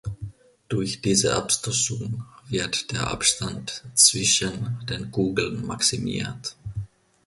Durch diese Abstoßung wird der Abstand zwischen den Kugeln maximiert.